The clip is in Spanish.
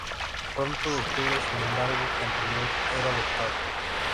Pronto descubre, sin embargo, que en realidad era adoptada.